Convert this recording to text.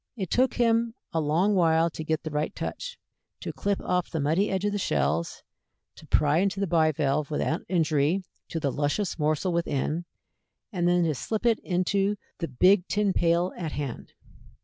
It took him a long while to get the right touch, to clip off the muddy edge of the shells, to pry into the bivalve without injury to the luscious morsel within, and then to slip it into the big tin pail at hand.